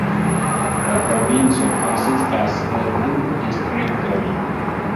La provinco konsistas el du distriktoj.